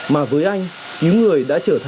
mà với anh cứu người đều là một lần đều